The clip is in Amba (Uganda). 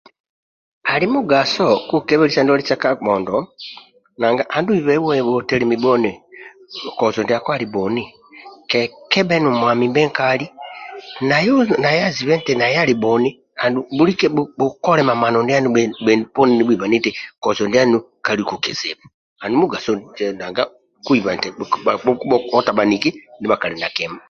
Ali mugaso kwekebelisa ndwali sa kabhondo nanga oibe uwe otelemi bhoni kozo ndiako alibhoni kekebhe nomwamimbe nkali naye azibe eti naye ali bhoni andulu bhukole mamano ndianu bhenu poni nibhuibi eti kozo ndianu kaliku kizibu andulu mugaso nanga bhukuiba eti bhukubhubhokota bhaniki ndibha bhakali na kima